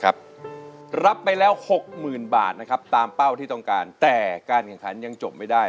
ครับรับไปแล้วหกหมื่นบาทนะครับตามเป้าที่ต้องการแต่การกำคัญการทานยังจบไม่ได้